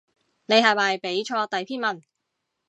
你係咪畀錯第篇文